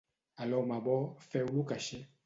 A l'home bo feu-lo caixer.